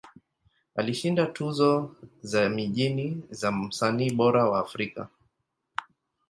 Alishinda tuzo za mijini za Msanii Bora wa Afrika.